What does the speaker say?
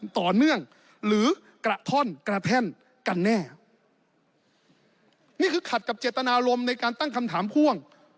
ต่อเนื่องหรือกระท่อนกระแท่นกันแน่นี่คือขัดกับเจตนารมณ์ในการตั้งคำถามพ่วง